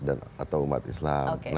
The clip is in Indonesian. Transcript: atau umat islam